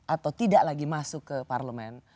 atau tidak lagi masuk ke parlemen